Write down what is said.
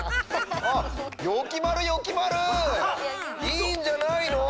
いいんじゃないの？